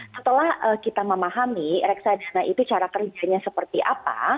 setelah kita memahami reksadana itu cara kerjanya seperti apa